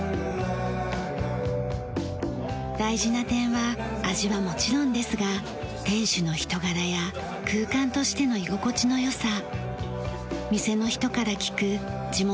大事な点は味はもちろんですが店主の人柄や空間としての居心地の良さ店の人から聞く地元の歴史や文化